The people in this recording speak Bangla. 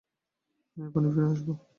আমি এখুনি ফিরে আসব।